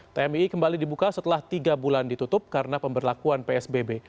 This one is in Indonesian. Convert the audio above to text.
tmii kembali dibuka setelah tiga bulan ditutup karena pemberlakuan psbb